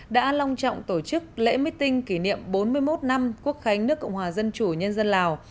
đã long trọng tổ chức lễ meeting kỷ niệm bốn mươi một năm quốc khánh nước cộng hòa dân chủ nhân dân lào